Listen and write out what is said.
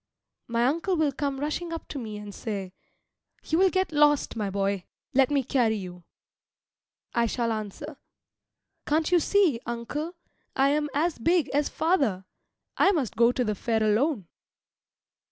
My uncle will come rushing up to me and say, "You will get lost, my boy; let me carry you." I shall answer, "Can't you see, uncle, I am as big as father. I must go to the fair alone."